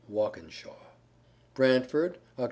Walkinshaw. BRANTFORD, Oct.